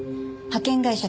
派遣会社